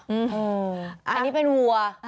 โอฮึอันนี้เป็นัว